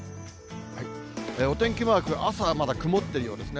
お天気マーク、朝はまだ曇っているようですね。